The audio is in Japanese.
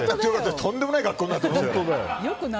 とんでもない学校になってたよ。